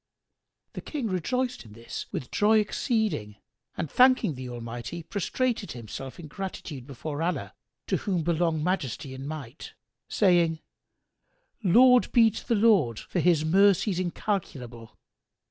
The King rejoiced in this with joy exceeding and thanking the Almighty prostrated himself in gratitude before Allah (to whom belong Majesty and Might!), saying, "Laud be to the Lord for His mercies incalculable!"